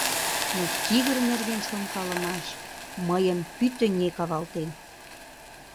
Но тигр нерген шонкалымаш мыйым пӱтынек авалтен.